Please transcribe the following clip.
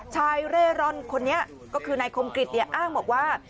ชายเรรอนคนนี้ก็คือในคมกฤตอ้างบอกว่า